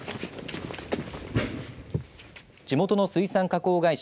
地元の水産加工会社